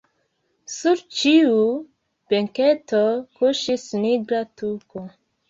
Sur ĉiu benketo kuŝis nigra tuko.